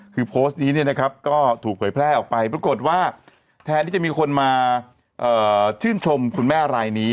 คือโพสต์นี้เนี่ยนะครับก็ถูกเผยแพร่ออกไปปรากฏว่าแทนที่จะมีคนมาชื่นชมคุณแม่รายนี้